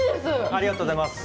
ありがとうございます。